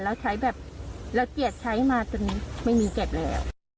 แล้วเกลียดใช้มาจนไม่มีเก็บเลย